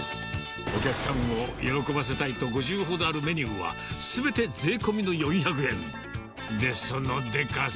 お客さんを喜ばせたいと５０ほどあるメニューは、すべて税込みの４００円。